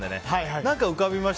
何か浮かびました。